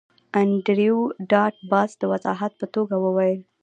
انډریو ډاټ باس د وضاحت په توګه وویل